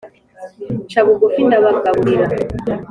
nca bugufi ndabagaburira.